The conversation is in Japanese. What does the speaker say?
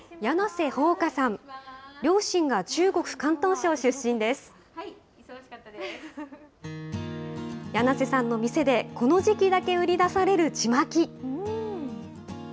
梁瀬さんの店でこの時期だけ売り出されるちまき。